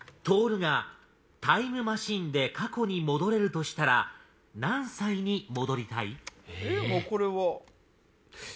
とおるがタイムマシーンで過去に戻れるとしたら何歳に戻りたい？